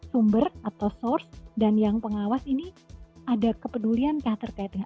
sumber atau source dan yang pengawas ini ada kepedulian atau terkaitnya